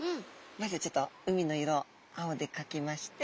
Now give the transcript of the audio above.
まずはちょっと海の色を青で描きまして。